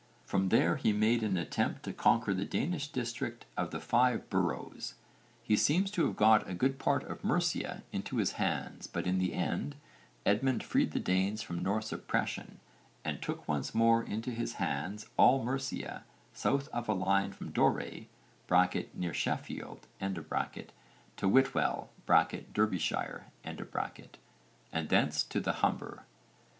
From there he made an attempt to conquer the Danish district of the Five Boroughs. He seems to have got a good part of Mercia into his hands but in the end Edmund freed the Danes from Norse oppression and took once more into his hands all Mercia south of a line from Dore (near Sheffield) to Whitwell (Derbyshire) and thence to the Humber.